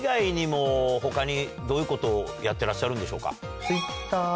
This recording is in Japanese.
他にどういうことをやってらっしゃるんでしょうか？